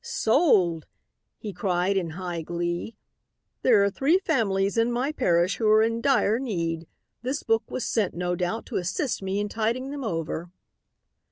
"'Sold!' he cried in high glee. 'There are three families in my parish who are in dire need. This book was sent, no doubt, to assist me in tiding them over.'